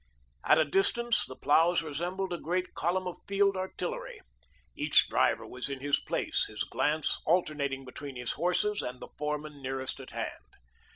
At a distance, the ploughs resembled a great column of field artillery. Each driver was in his place, his glance alternating between his horses and the foreman nearest at hand.